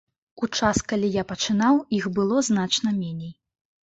У час, калі я пачынаў, іх было значна меней.